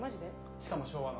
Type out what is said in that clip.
しかも昭和の。